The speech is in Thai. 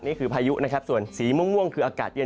นี่คือพายุส่วนสีม่วงคืออากาศเย็น